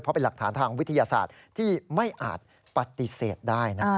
เพราะเป็นหลักฐานทางวิทยาศาสตร์ที่ไม่อาจปฏิเสธได้นะ